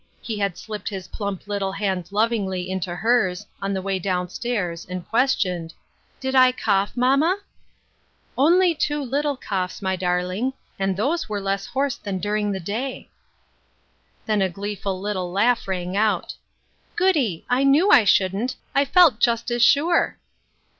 He had slipped his plump little hand lovingly into hers, on the way down stairs, and questioned, "Did I cough, mamma?" "Only two little coughs, my darling ; and those were less hoarse than during the day." LOGIC AND INTERROGATION POINTS. 2J Then a gleeful little laugh rang out. "Goody! I knew I shouldn't; I felt just as sure